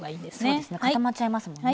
そうですね固まっちゃいますもんね。